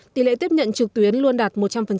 tỷ lệ tiếp nhận trực tuyến luôn đạt một trăm linh